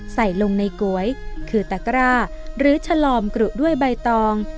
ใส่ลงในก๋วยคือตะกร้าหรือชะลอมกรุด้วยใบตอง